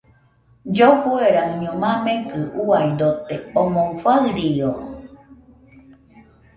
Llofueraɨño mamekɨ uiadote, omɨ farió